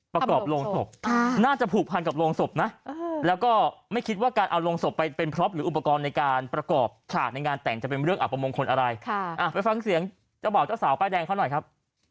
ประกอบโรงศพน่าจะผูกพันกับโรงศพนะแล้วก็ไม่คิดว่าการเอาโรงศพไปเป็นพล็อปหรืออุปกรณ์ในการประกอบฉากในงานแต่งจะเป็นเรื่องอับประมงคลอะไรไปฟังเสียงเจ้าบ่าวเจ้าสาวป้ายแดงเขาหน่อยครับ